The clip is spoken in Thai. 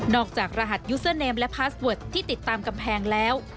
จากรหัสยูเซอร์เนมและพาสเวิร์ดที่ติดตามกำแพงแล้ว